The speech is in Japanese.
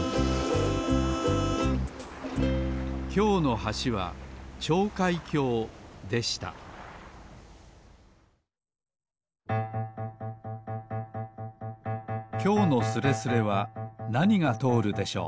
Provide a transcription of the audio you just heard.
きょうの橋は跳開橋でしたきょうのスレスレはなにがとおるでしょう